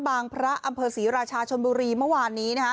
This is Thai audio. พระอำเภอศรีราชาชนบุรีเมื่อวานนี้